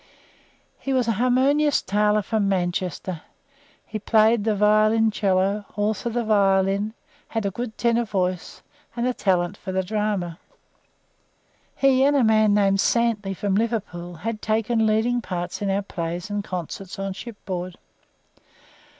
He was a harmonious tailor from Manchester; he played the violoncello, also the violin; had a good tenor voice, and a talent for the drama. He, and a man named Santley from Liverpool, had taken leading parts in our plays and concerts on shipboard.